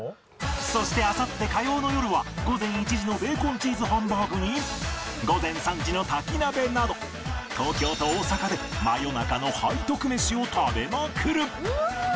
そしてあさって火曜の夜は午前１時のベーコンチーズハンバーグに午前３時の炊き鍋など東京と大阪で真夜中の背徳メシを食べまくる！